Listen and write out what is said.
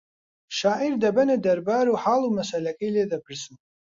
شاعیر دەبەنە دەربار و حاڵ و مەسەلەکەی لێ دەپرسن